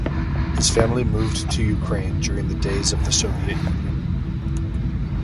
His family moved to Ukraine during the days of the Soviet Union.